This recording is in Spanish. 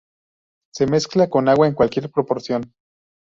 Se mezcla con agua en cualquier proporción.